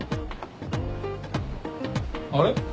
あれ？